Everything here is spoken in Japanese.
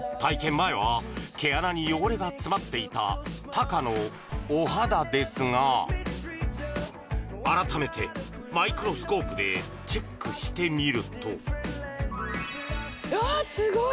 前は毛穴に汚れが詰まっていたタカのお肌ですが改めてマイクロスコープでチェックしてみるとあっすごい！